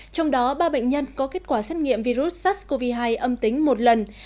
trong đó ba bệnh nhân có kết quả xét nghiệm virus sars cov hai âm tính một lần